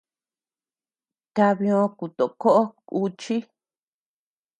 Kabiö kutokoʼo kùchi.